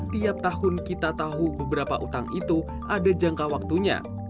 tiap tahun kita tahu beberapa utang itu ada jangka waktunya